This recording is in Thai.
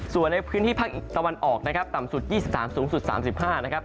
ส่วนในพื้นที่ภาคตะวันออกนะครับต่ำสุด๒๓สูงสุด๓๕นะครับ